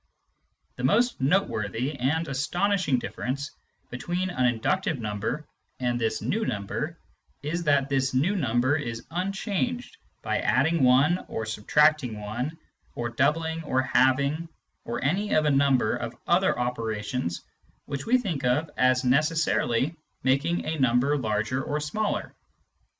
The most noteworthy and astonishing difference between an inductive number and this new number is that this new number is unchanged by adding 1 or subtracting 1 or doubling or halving or any of a number of other operations which we think of as necessarily making a number larger or smaller.